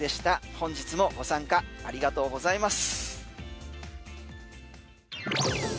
本日もご参加ありがとうございます。